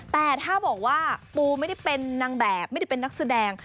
แต่ถ้าบอกว่าปูไม่ได้เป็นนางแบบไม่ได้เป็นนักแสดง